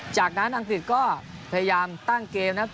จากนั้นอังกฤษก็พยายามตั้งเกมนะครับ